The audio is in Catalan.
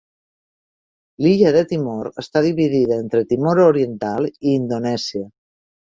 L'illa de Timor està dividida entre Timor Oriental i Indonèsia.